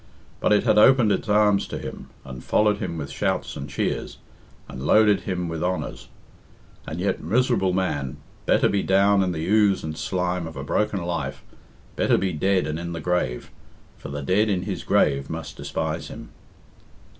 But it had opened its arms to him, and followed him with shouts and cheers, and loaded him with honours. And yet, miserable man, better be down in the ooze and slime of a broken life, better be dead and in the grave for the dead in his grave must despise him.